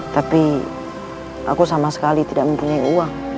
tapi aku sama sekali tidak mempunyai uang